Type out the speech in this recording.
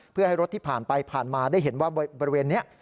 เพื่อให้รถที่ผ่านไปผ่านมาได้เห็นว่าบริเวณนี้